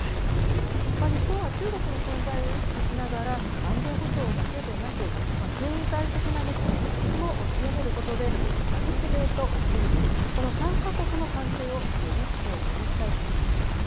日本は中国の存在を意識しながら、安全保障だけでなく、経済的な結び付きも強めることで、日米とフィリピン、この３か国の関係をより強固にしたい考えです。